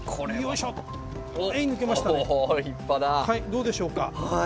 どうでしょうか？